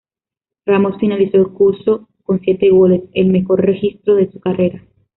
Ramos finalizó el curso con siete goles, el mejor registro de su carrera.